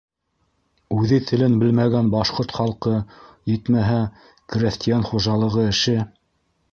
Үҙе телен белмәгән башҡорт халҡы, етмәһә, крәҫтиән хужалығы эше.